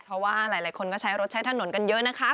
เพราะว่าหลายคนก็ใช้รถใช้ถนนกันเยอะนะคะ